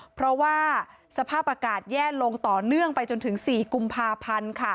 เพราะว่าสภาพอากาศแย่ลงต่อเนื่องไปจนถึง๔กุมภาพันธ์